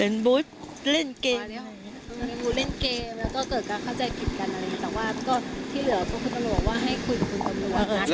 เป็นบุษเล่นเกมเล่นเกมแล้วก็เกิดการเข้าใจผิดกันอะไรแต่ว่าก็ที่เหลือก็คุณตัวลัวว่าให้คุยกับคุณตัวลัว